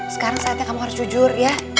sekarang saatnya kamu harus jujur ya